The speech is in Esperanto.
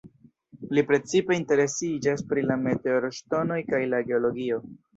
Li precipe interesiĝas pri la meteorŝtonoj kaj la geologio.